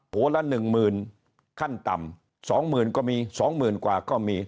หัวละหนึ่งหมื่นขั้นต่ำสองหมื่นก็มีสองหมื่นกว่าก็มี